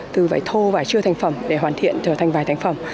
từ vải thô vải chưa thành phẩm để hoàn thiện trở thành vải thành phẩm